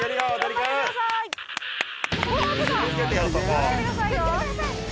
気をつけてくださいよ。